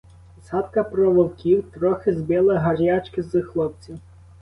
Згадка про вовків трохи збила гарячки з хлопців.